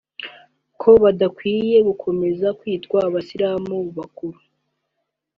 ko badakwiye gukomeza kwitwa abayisilamu b’ukuri